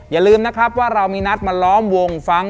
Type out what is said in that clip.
อย่าลืมนะครับว่าเรามีนัดมาล้อมวงฟัง